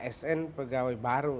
asn pegawai baru